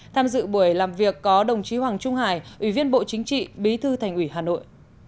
tham dự buổi làm việc có đồng chí hoàng trung hải ủy viên bộ chính trị bí thư thành ủy hà nội